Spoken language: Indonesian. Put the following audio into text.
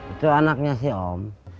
itu anaknya si om